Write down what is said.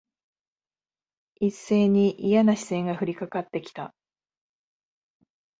一斉にいやな視線が降りかかって来た。